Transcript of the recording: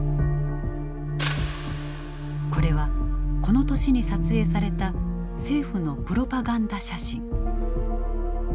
これはこの年に撮影された政府のプロパガンダ写真。